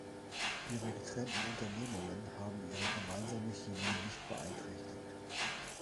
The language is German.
Ihre getrennten Unternehmungen haben ihre gemeinsame Chemie nicht beeinträchtigt.